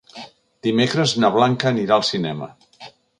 Dimecres na Blanca anirà al cinema.